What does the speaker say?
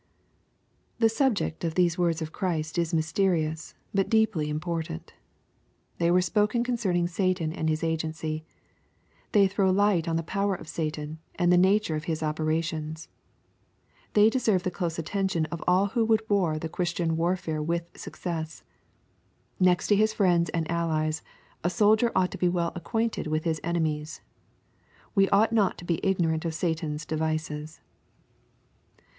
The subject of these words of Christ is mysterious, but deeply important. They were spoken concerning Satan and his agency. . They throw light on the power of Satan, and the nature of his operations. They deserve the close attention of all who would war the Christian warfare with success. Next to his friends and allies, a soldier ought to be well acquainted with his enemies. We ought uct to be ignorant of Satan's devices.